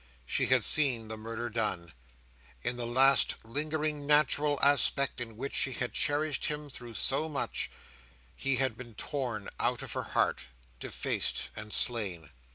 She had seen the murder done. In the last lingering natural aspect in which she had cherished him through so much, he had been torn out of her heart, defaced, and slain.